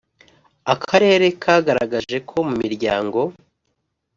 Akarere kagaragaje ko mu miryango